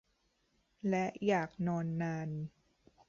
และอยากนอนนาน